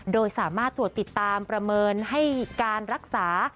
โดยสามารถตรวจติดตามประเมินให้การรักษา